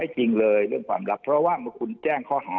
จริงเลยเรื่องความรักเพราะว่าเมื่อคุณแจ้งข้อหา